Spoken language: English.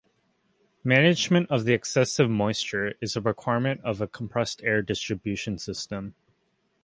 Management of the excessive moisture is a requirement of a compressed air distribution system.